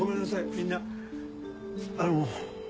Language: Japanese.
みんなあの。